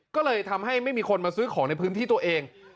ก็เลยทำให้ไม่มีคนมาซื้อของในพื้นที่ตัวเอง